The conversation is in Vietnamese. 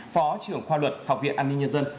phó trưởng khoa luật học viện an ninh nhân dân